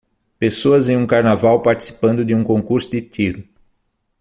Pessoas em um carnaval participando de um concurso de tiro.